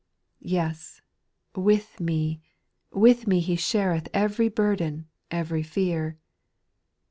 S19 Yes 1 with me, with me He shareth Ev'ry burden, ev'ry fear.